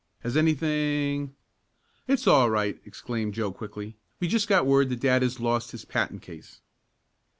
Has anything " "It's all right!" exclaimed Joe quickly. "We just got word that dad has lost his patent case."